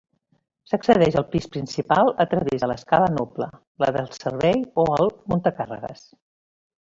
S'accedeix al pis principal a través de l'escala noble, la de servei o el muntacàrregues.